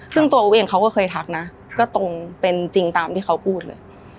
ซึ่งตัวอู้เองเขาก็เคยทักนะก็ตรงเป็นจริงตามที่เขาพูดเลย